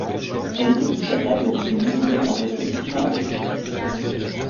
Elle est aussi capable de se diviser par reproduction asexuée.